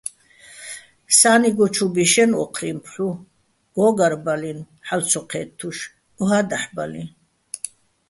სა́ნიგო ჩუ ბიშენი̆ ო́ჴრიჼ ფჰ̦უ, გო́გარბალინო̆, ჰ̦ალო̆ ცო ჴე́თთუშ, ოჰა́ დაჰ̦ ბალიჼ.